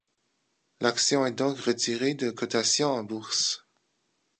L'action est donc retirée de cotation en bourse.